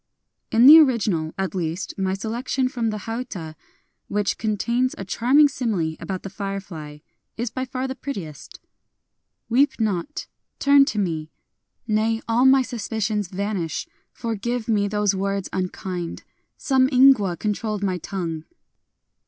In the original, at least, my selection from the hauta — which contains a charming simile about the firefly — is by far the prettiest :— Weep not !— turn to me !... Nay, all my suspicions vanish ! Forgive me those words unkind : some ingwa controlled my tongue